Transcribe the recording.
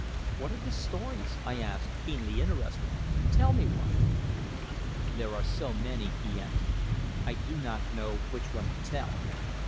"What are the stories?" I asked, keenly interested. "Tell me one." "There are so many," he answered, "I do not know which one to tell.